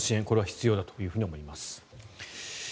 これは必要だと思います。